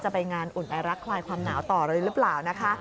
ไปงานอุ่นไอรักคลายความหนาวต่อเลยหรือเปล่านะคะ